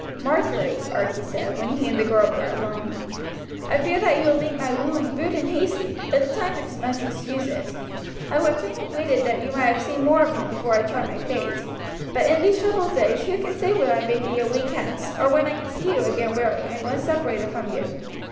"Marjory," Archie said, when he and the girl were alone, "I fear that you will think my wooing rude and hasty, but the times must excuse it. I would fain have waited that you might have seen more of me before I tried my fate; but in these troubled days who can say where I may be a week hence, or when I can see you again were I once separated from you!